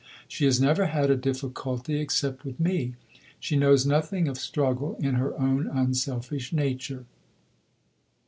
She has never had a difficulty except with me; she knows nothing of struggle in her own unselfish nature."